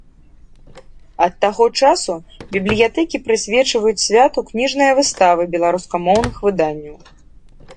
Ад таго часу бібліятэкі прысвячаюць святу кніжныя выставы беларускамоўных выданняў.